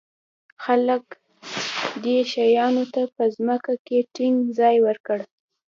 خلک دې شیانو ته په ځمکه کې ټینګ ځای ورکړ.